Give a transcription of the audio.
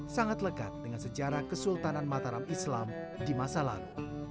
sangat lekat dengan sejarah kesultanan mataram islam di masa lalu